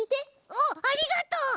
あっありがとう！